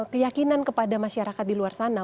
keyakinan kepada masyarakat di luar sana